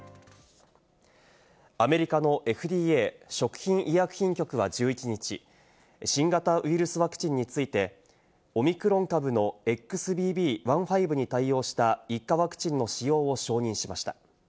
アメリカのＦＤＡ＝食品医薬品局は１１日、新型ウイルスワクチンについて、オミクロン株のＸＢＢ．１．５に対応した１価ワクチンの使用を承認しました。